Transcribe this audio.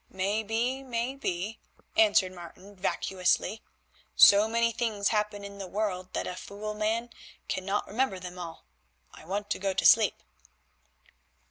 "May be, may be," answered Martin vacuously; "so many things happen in the world that a fool man cannot remember them all. I want to go to sleep."